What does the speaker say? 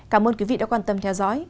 cảm ơn quý vị đã quan tâm theo dõi